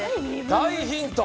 大ヒント。